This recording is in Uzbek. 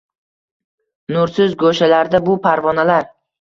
Nursiz go‘shalarda bu parvonalar